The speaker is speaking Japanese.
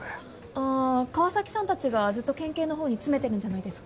ああ川崎さんたちがずっと県警のほうに詰めているんじゃないですか？